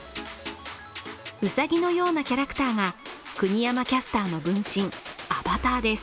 ウサギのようなキャラクターが国山キャスターの分身アバターです。